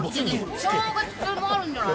正月もあるんじゃない？